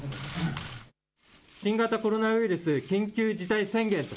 新型コロナウイルス緊急事態宣言と。